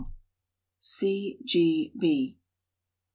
G. B.